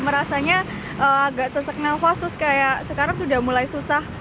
merasanya agak sesek nafas terus kayak sekarang sudah mulai susah